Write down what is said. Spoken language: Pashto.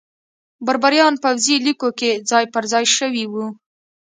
بربریان پوځي لیکو کې ځای پرځای شوي وو.